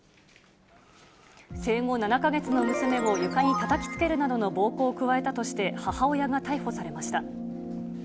生後７か月の娘を床にたたきつけるなどの暴行を加えたとして母親が逮捕されました。